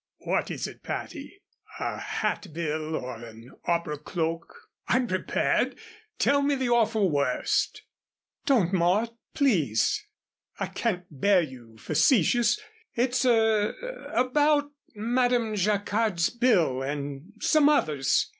"What is it, Patty? A hat bill or an opera cloak? I'm prepared. Tell me the awful worst." "Don't, Mort please. I can't bear you facetious. It's er about Madame Jacquard's bill and some others.